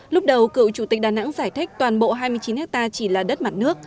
lúc đầu cựu chủ tịch đà nẵng giải thích toàn bộ hai mươi chín ha chỉ là đất mặt nước